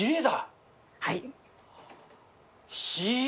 はい。